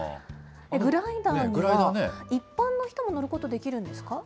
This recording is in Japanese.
グライダーには一般の人も乗ることできるんですか？